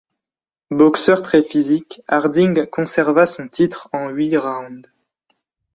Boxeur très physique, Harding conserva son titre en huit rounds.